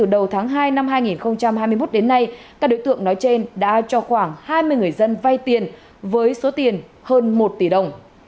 đầu tháng hai năm hai nghìn hai mươi một đến nay các đối tượng nói trên đã cho khoảng hai mươi người dân vay tiền với số tiền hơn một tỷ đồng